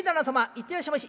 「行ってらっしゃいまし」。